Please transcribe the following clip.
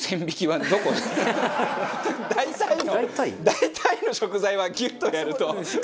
「大体の食材はギュッとやるとおいしい」